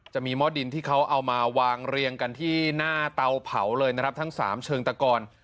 หม้อดินที่เขาเอามาวางเรียงกันที่หน้าเตาเผาเลยนะครับทั้ง๓เชิงตะกร